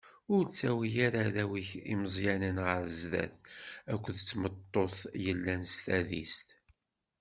Ur ttawi ara arraw-ik imeẓyanen ɣer sdat akked tmeṭṭut yellan s tadist.